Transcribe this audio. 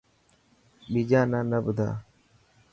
ٻيجا نا نه ٻڌا.